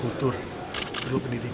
pertusan itu berat buat saya